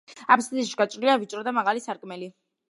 აფსიდში გაჭრილია ვიწრო და მაღალი სარკმელი.